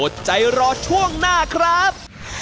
อดใจรอช่วงหน้าครับ